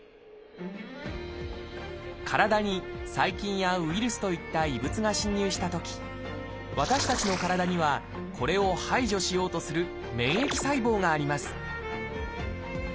体に細菌やウイルスといった異物が侵入したとき私たちの体にはこれを排除しようとする免疫細胞があります